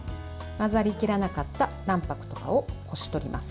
混ざりきらなかった卵白などをこし取ります。